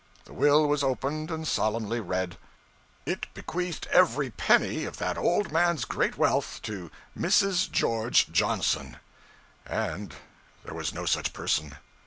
The will was opened and solemnly read. It bequeathed every penny of that old man's great wealth to Mrs. George Johnson! And there was no such person.